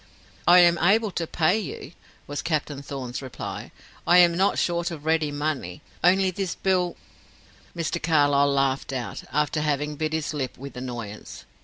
"I am able to pay you," was Captain Thorn's reply. "I am not short of ready money; only this bill " Mr. Carlyle laughed out, after having bit his lip with annoyance.